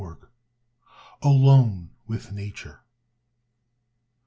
48 ALONE WITH NATURE.